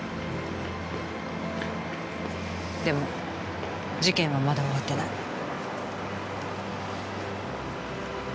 でも事件はまだ終わってない。